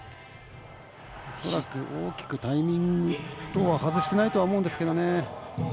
うまく大きくタイミング等ははずしていないと思うんですけどね。